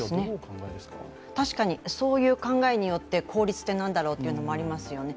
確かに、そういう考えによって効率って何だろうというのもありますよね。